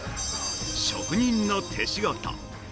職人の手仕事。